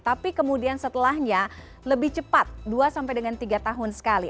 tapi kemudian setelahnya lebih cepat dua sampai dengan tiga tahun sekali